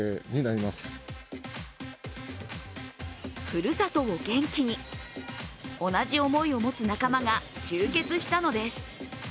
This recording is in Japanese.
ふるさとを元気に、同じ思いを持つ仲間が集結したのです。